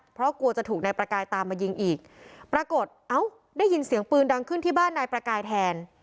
เพราะกลัวจะถูกนายประกายตามมายิงอีกปรากฏเอ้าได้ยินเสียงปืนดังขึ้นที่บ้านนายประกายแทน